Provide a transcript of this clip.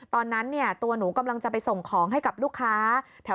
ตอนนั้นเนี่ยตัวหนูกำลังจะไปส่งของให้กับลูกค้าแถว